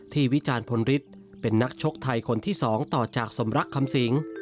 วิจารณ์พลฤทธิ์เป็นนักชกไทยคนที่๒ต่อจากสมรักคำสิง